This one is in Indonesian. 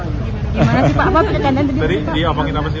gimana sih pak apa percandainan tersebut pak